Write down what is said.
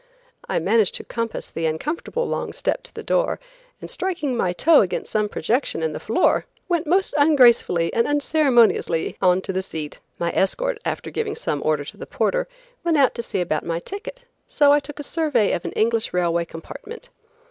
I managed to compass the uncomfortable long step to the door and striking my toe against some projection in the floor, went most ungracefully and unceremoniously on to the seat. My escort after giving some order to the porter went out to see about my ticket, so I took a survey of an English railway compartment.